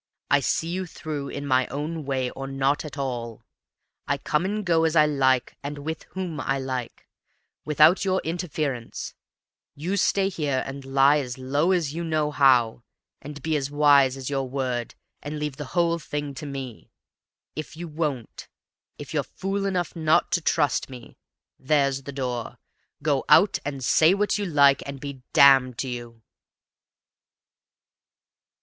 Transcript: I see you through in my own way, or not at all. I come and go as I like, and with whom I like, without your interference; you stay here and lie just as low as you know how, be as wise as your word, and leave the whole thing to me. If you won't if you're fool enough not to trust me there's the door. Go out and say what you like, and be damned to you!"